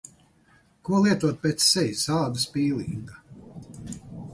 Ko lietot pēc sejas ādas pīlinga?